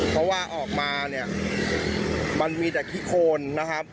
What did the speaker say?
เพราะว่าออกมาเนี่ยมันมีแต่ขี้โคนนะครับ